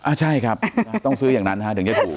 อ่ะใช่ครับต้องซื้ออย่างนั้นฮะเดี๋ยวเยอะกูฮะ